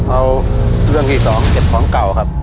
เอาเรื่องที่สองเก็บของเก่าครับ